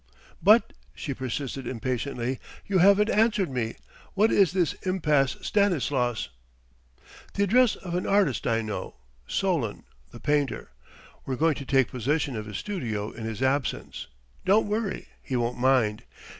"But," she persisted impatiently "you haven't answered me: what is this impasse Stanislas?" "The address of an artist I know Solon, the painter. We're going to take possession of his studio in his absence. Don't worry; he won't mind.